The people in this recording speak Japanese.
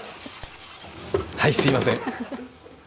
はい、すみません。